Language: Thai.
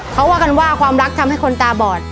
เขาว่ากันว่าความรักทำให้คนตาบอด